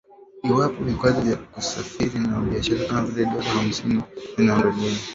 iwapo vikwazo vya kusafiri na biashara kama vile dola hamsini ya visa vimeondolewa